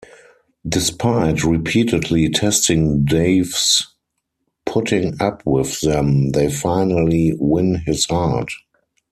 Despite repeatedly testing Dave's putting up with them, they finally win his heart.